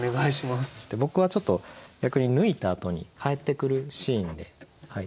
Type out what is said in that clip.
僕はちょっと逆に抜いたあとに帰ってくるシーンで書いてみました。